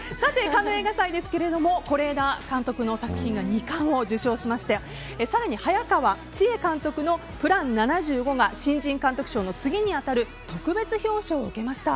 カンヌ映画祭ですが是枝監督の作品が２冠を受賞しまして更に、早川千絵監督の「ＰＬＡＮ７５」が新人監督賞の次に当たる特別表彰を受けました。